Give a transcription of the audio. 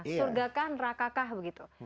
surgakah neraka kah begitu